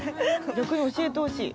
逆に教えてほしい。